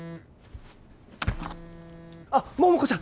あっ桃子ちゃん。